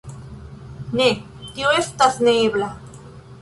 Ne, tio estas neebla.